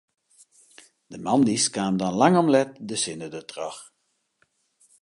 De moandeis kaam dan lang om let de sinne dertroch.